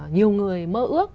nhiều người mơ ước